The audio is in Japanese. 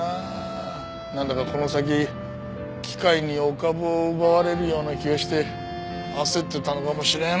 なんだかこの先機械にお株を奪われるような気がして焦ってたのかもしれん。